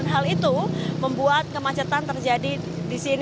hal itu membuat kemacetan terjadi di sini